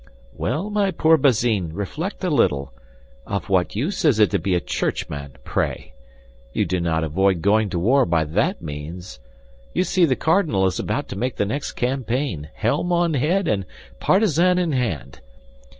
"Well, but my poor Bazin, reflect a little. Of what use is it to be a churchman, pray? You do not avoid going to war by that means; you see, the cardinal is about to make the next campaign, helm on head and partisan in hand.